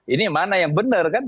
ini mana yang benar kan